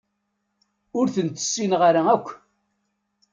Ur ten-ssineɣ ara akk.